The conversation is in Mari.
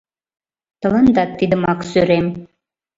Тыландат тидымак сӧрем.